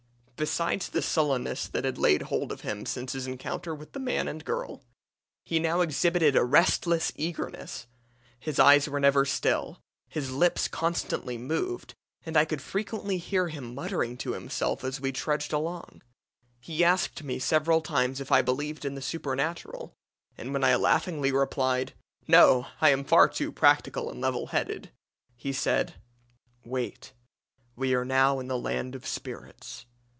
Besides the sullenness that had laid hold of him since his encounter with the man and girl, he now exhibited a restless eagerness his eyes were never still, his lips constantly moved, and I could frequently hear him muttering to himself as we trudged along. He asked me several times if I believed in the supernatural, and when I laughingly replied 'No, I am far too practical and level headed,' he said 'Wait. We are now in the land of spirits.